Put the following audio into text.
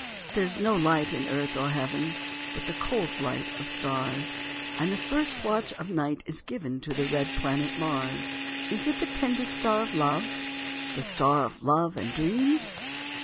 There is no light in earth or heaven, But the cold light of stars; And the first watch of night is given To the red planet Mars. Is it the tender star of love? The star of love and dreams?